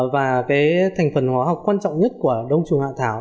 và cái thành phần hóa học quan trọng nhất của đông trùng hạ thảo